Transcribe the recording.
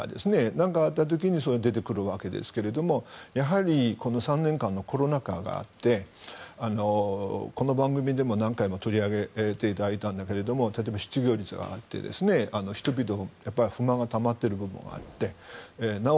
何かあった時にそれが出てくるわけですがやはりこの３年間のコロナ禍があってこの番組でも何回も取り上げていただいたんだけれど例えば失業率が上がって人々の不満がたまっている部分があってなお